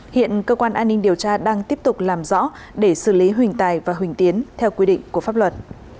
hiện cơ quan an ninh điều tra đang tiếp tục làm rõ để xử lý huỳnh tài và huỳnh tiến theo quy định của pháp luật